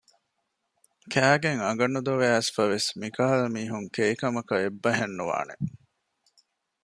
ކައިގެން އަނގަ ނުދޮވެ އައިސްފަވެސް މިކަހަލަ މީހުން ކެއިކަމަކަށް އެއްބަހެއް ނުވާނެ